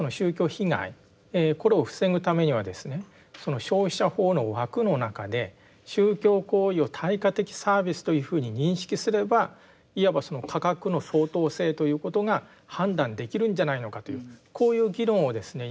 その消費者法の枠の中で宗教行為を対価的サービスというふうに認識すればいわばその価格の相当性ということが判断できるんじゃないのかというこういう議論をですね